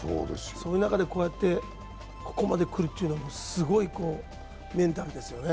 そういう中で、ここまで来るというのは、すごいメンタルですよね、